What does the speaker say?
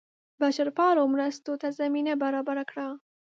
بشرپالو مرستو ته زمینه برابره کړه.